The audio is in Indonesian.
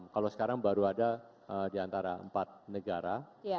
kalau sekarang baru ada diantara empat negara